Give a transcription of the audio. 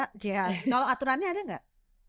kalau aturannya ada nggak